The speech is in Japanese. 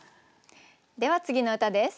では次の歌です。